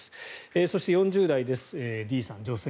そして４０代のＤさん、女性。